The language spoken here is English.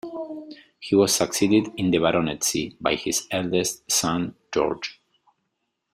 He was succeeded in the baronetcy by his eldest son George.